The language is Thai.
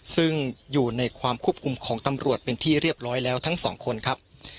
ซึ่งอยู่ในความควบคุมของตำรวจเป็นที่เรียบร้อยแล้วทั้งสองคนครับ